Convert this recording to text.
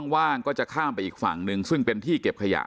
ว่างก็จะข้ามไปอีกฝั่งหนึ่งซึ่งเป็นที่เก็บขยะ